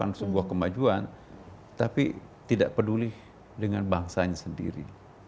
jangan sebagai sebuah kemajuan tapi tidak peduli dengan bangsa sendiri